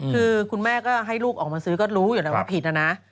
คือคุณแม่ก็ให้ลูกออกมาซื้อก็รู้อยู่แล้วว่าผิดนะนะ